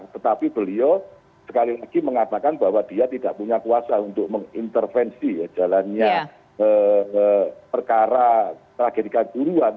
tetapi beliau sekali lagi mengatakan bahwa dia tidak punya kuasa untuk mengintervensi jalannya perkara tragedikan guruan